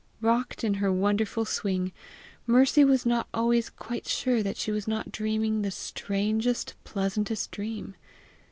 Booked in her wonderful swing, Mercy was not always quite sure that she was not dreaming the strangest, pleasantest dream.